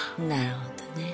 なるほどね。